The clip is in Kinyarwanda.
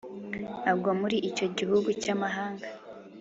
agwa muri icyo gihugu cy'amahanga